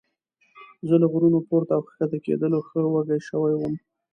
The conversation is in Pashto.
زه له غرونو پورته او ښکته کېدلو ښه وږی شوی وم.